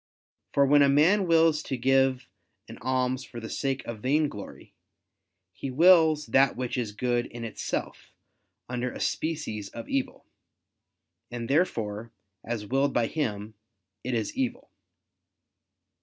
For when a man wills to give an alms for the sake of vainglory, he wills that which is good in itself, under a species of evil; and therefore, as willed by him, it is evil.